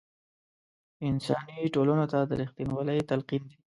انساني ټولنو ته د رښتینوالۍ تلقین دی.